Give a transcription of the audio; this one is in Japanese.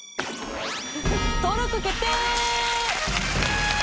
登録決定！